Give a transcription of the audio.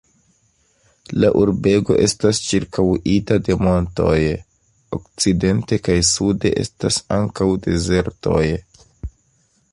La urbego estas ĉirkaŭita de montoj, okcidente kaj sude estas ankaŭ dezertoj.